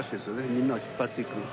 みんなを引っ張っていく。